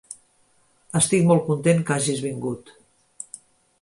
Estic molt content que hagis vingut.